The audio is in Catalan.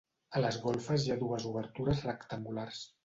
A les golfes hi ha dues obertures rectangulars.